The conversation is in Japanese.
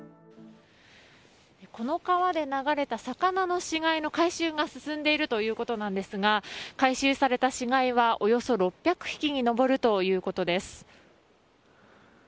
この川で流れた魚の死骸の回収が進んでいるということですが回収された死骸はおよそ６００匹に上るということです。